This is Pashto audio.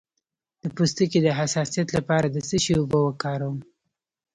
د پوستکي د حساسیت لپاره د څه شي اوبه وکاروم؟